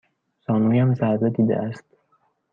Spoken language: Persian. زانویم ضرب دیده است.